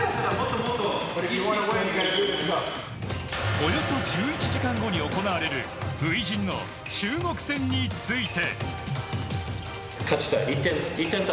およそ１１時間後に行われる初陣の中国戦について。